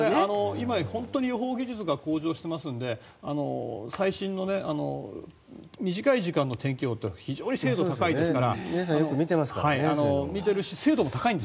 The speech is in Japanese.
今、本当に予報技術が向上していますので最新の短い時間の天気予報って非常に精度が高いですから。